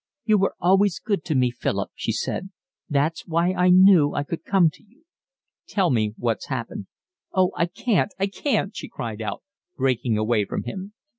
"You were always good to me, Philip," she said. "That's why I knew I could come to you." "Tell me what's happened." "Oh, I can't, I can't," she cried out, breaking away from him.